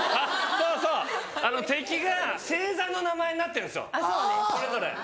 そうそう敵が星座の名前になってるんですよそれぞれ。